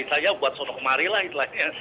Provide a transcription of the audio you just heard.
saya buat sono kemari lah itu lah ya